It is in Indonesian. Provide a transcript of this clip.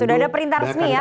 sudah ada perintah resmi ya